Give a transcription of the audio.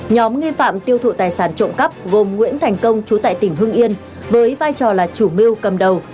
nhóm nghi phạm tiêu thụ tài sản trộm cắp gồm nguyễn thành công trú tại tỉnh hưng yên với vai trò là chủ mêu cầm đầu